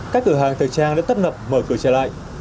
các cửa hàng thời trang đã tấp nập mở cửa trở lại